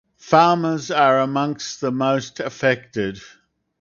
Farmers are among the most affected.